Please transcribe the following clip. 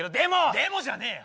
でもじゃねえよ！